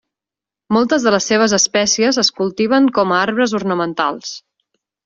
Moltes de les seves espècies es cultiven com a arbres ornamentals.